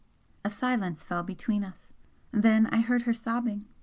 A silence fell between us. Then I heard her sobbing.